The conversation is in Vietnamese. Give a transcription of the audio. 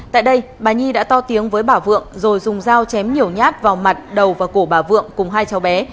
tại đây bà nhi đã to tiếng với bà vượng rồi dùng dao chém nhiều nhát vào mặt đầu và cổ bà vượng cùng hai cháu bé